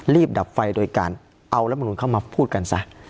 รีบดับไฟโดยการเอาละบรรวณฯเข้ามาพูดกันส่ะ